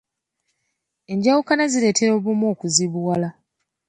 Enjawukana zireetera obumu okuzibuwala.